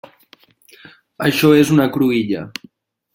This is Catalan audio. Això és una cruïlla.